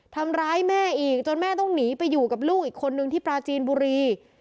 ทำร้ายแม่อีกจนแม่ต้องหนีไปอยู่กับลูกอีกคนนึงที่ปราจีนบุรี